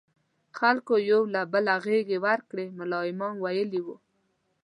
خلکو یو له بله غېږې ورکړې، ملا امام ویلي وو.